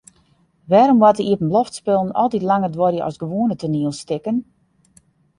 Wêrom moatte iepenloftspullen altyd langer duorje as gewoane toanielstikken?